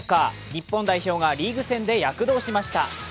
日本代表がリーグ戦で躍動しました。